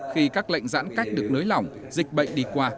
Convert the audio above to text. khi các lệnh giãn cách được nới lỏng dịch bệnh đi qua